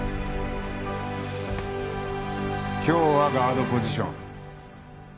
今日はガードポジション。